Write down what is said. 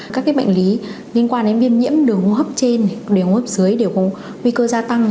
các bệnh lý liên quan đến viêm nhiễm đường hô hấp trên đường hô hấp dưới đều có nguy cơ gia tăng